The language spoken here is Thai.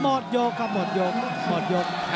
หมดยกหมดยก